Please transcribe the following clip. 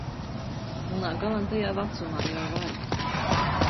Munā galantajā vacumā jau var.